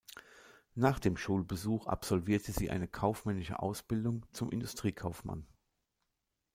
Nach dem Schulbesuch absolvierte sie eine kaufmännische Ausbildung zum Industriekaufmann.